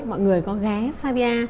mọi người có ghé savia